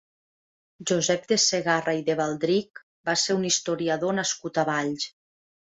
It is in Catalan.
Josep de Segarra i de Baldric va ser un historiador nascut a Valls.